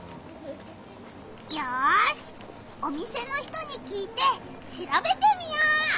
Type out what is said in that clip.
よしお店の人にきいてしらべてみよう！